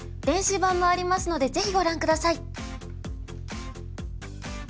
電子版もありますのでぜひご覧下さい。